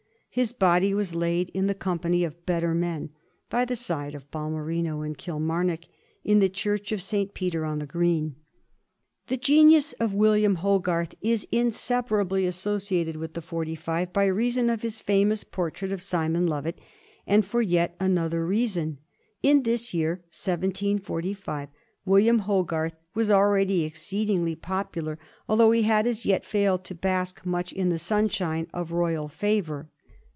His body was laid in the company of better men, by the side of Balmerino and Kilmarnock, in the Church of St. Peter on the Green. The genius of William Hogarth is inseparably asso ciated with the Forty five by reason of this famous por trait of Simon Lovat, and for yet another reason. In this year (1745) William Hogarth was already exceedingly pop ular, although he had as yet failed to bask much in the sunshine of royal favor.